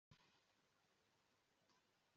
jya utera inkunga umuryango